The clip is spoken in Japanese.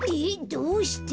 どうして？